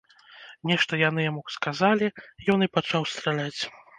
Нешта яны яму сказалі, ён і пачаў страляць.